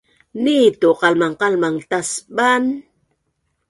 nitu qalmangqalmang tasban